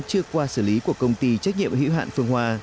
trước qua xử lý của công ty trách nhiệm hữu hạn phương hoa